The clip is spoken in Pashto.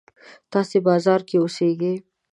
تاسې بازار کې اوسېږئ.